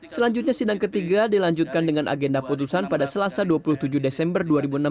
selanjutnya sidang ketiga dilanjutkan dengan agenda putusan pada selasa dua puluh tujuh desember dua ribu enam belas